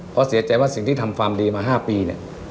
เพราะเสียใจว่าสิ่งที่ทำความดีมา๕ปีเนี่ย